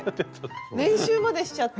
練習までしちゃって。